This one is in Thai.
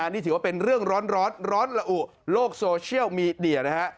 นี่ถือว่าเป็นเรื่องร้อนร้อนละอุโลกโซเชียลมีเดียนะฮะ